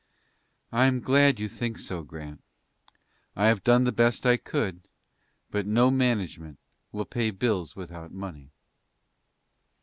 "I am glad you think so, Grant. I have done the best I could, but no management will pay bills without money."